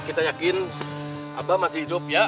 kita yakin abah masih hidup ya